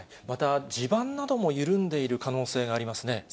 また地盤なども緩んでいる可能性がありますね？